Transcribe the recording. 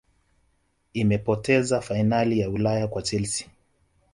imepoteza fainali ya Ulaya kwa chelsea